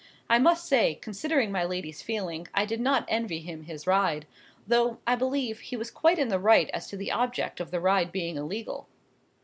I must say, considering my lady's feeling, I did not envy him his ride—though, I believe, he was quite in the right as to the object of the ride being illegal.